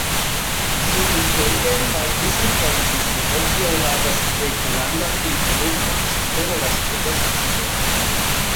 Ĝi historie havis kaj ĝis hodiaŭ havas tre grandan influon super la sveda socio.